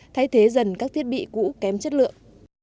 thay thế dần các thiết bị cũ kém chất lượng